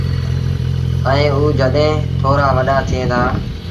ائيٚݩ او جڏهيݩ ٿورآ وڏآ ٿيٚن دآ۔